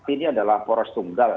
ini adalah poros tunggal